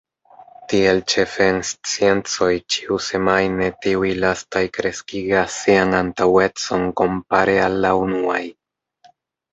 Tiel ĉefe en sciencoj ĉiusemajne tiuj lastaj kreskigas sian antaŭecon kompare al la unuaj.